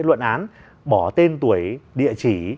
luận án bỏ tên tuổi địa chỉ